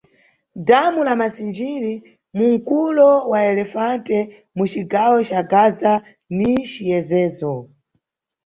Dhamu la Massingiri, mu mkulo wa Elefante, mu cigawo ca Gaza ni ciyezezo.